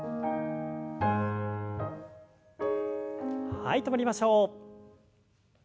はい止まりましょう。